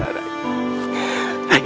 aku sudah berhenti